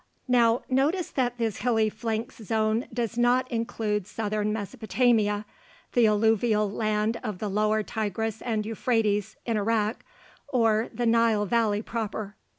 Now notice that this hilly flanks zone does not include southern Mesopotamia, the alluvial land of the lower Tigris and Euphrates in Iraq, or the Nile Valley proper.